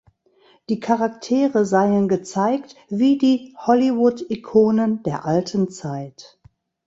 Die Charaktere seien gezeigt wie die „Hollywood-Ikonen“ der alten Zeit.